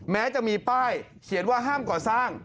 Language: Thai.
แม้จะมีป้ายเขียนว่าห้ามก่อสร้าง